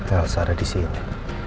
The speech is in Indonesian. elsa ada di sini